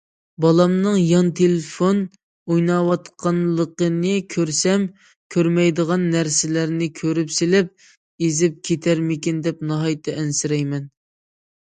بالامنىڭ يان تېلېفون ئويناۋاتقانلىقىنى كۆرسەم كۆرمەيدىغان نەرسىلەرنى كۆرۈپ سېلىپ، ئېزىپ كېتەرمىكىن دەپ، ناھايىتى ئەنسىرەيمەن.